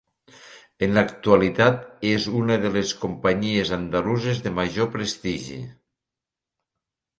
En l'actualitat és una de les companyies andaluses de major prestigi.